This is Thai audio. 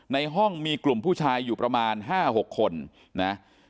ในห้องมีกลุ่มผู้ชายอยู่ประมาณ๕๖คนนะ